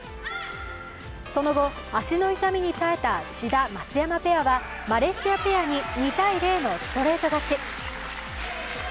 その後、足の痛みに耐えた志田・松山ペアはマレーシアペアに２−０のストレート勝ち。